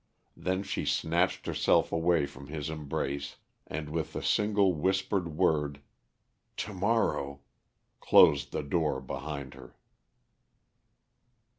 Then she snatched herself away from his embrace and, with the single whispered word, "To morrow," closed the door behind her.